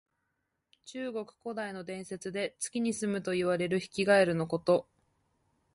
中国古代の伝説で、月にすむといわれるヒキガエルのこと。